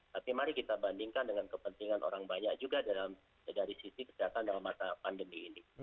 tapi mari kita bandingkan dengan kepentingan orang banyak juga dari sisi kesehatan dalam masa pandemi ini